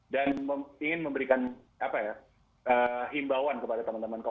dan ingin memberikan himbauan kepada teman teman